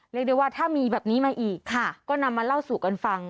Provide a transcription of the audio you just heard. เรียกได้ว่าถ้ามีแบบนี้มาอีกก็นำมาเล่าสู่กันฟัง